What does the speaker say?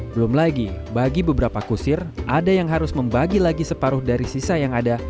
belum lagi bagi beberapa kusir ada yang harus membagi lagi separuh dari sisa yang ada